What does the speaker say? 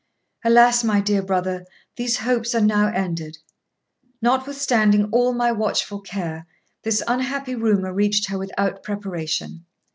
Alas, my dear brother, these hopes are now ended! Notwithstanding all my watchful care, this unhappy rumour reached her without preparation.